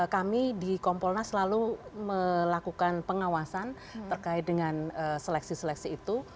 kami di kompolnas selalu melakukan pengawasan terkait dengan seleksi seleksi itu